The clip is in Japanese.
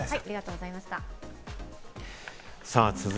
澤さん、ありがとうございました。